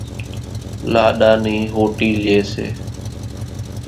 لاڏا نِي ۿوُٽِي ليئيَ سي۔